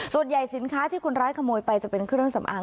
สินค้าที่คนร้ายขโมยไปจะเป็นเครื่องสำอาง